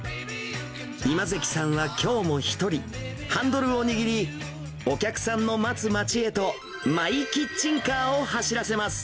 今関さんはきょうも一人、ハンドルを握り、お客さんの待つ街へと、マイ・キッチンカーを走らせます。